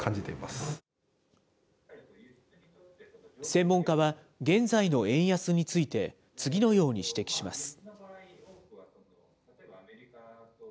専門家は、現在の円安について、次のように指摘します。